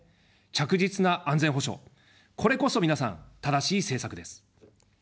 着実な安全保障、これこそ皆さん、正しい政策です。